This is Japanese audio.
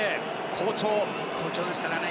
好調ですからね。